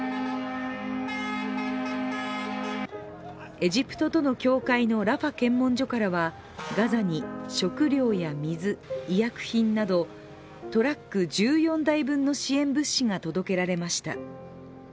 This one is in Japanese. エジプトとの境界のラファ検問所からはガザに食料や水、医薬品などトラック１４台分の支援物資が届けられました。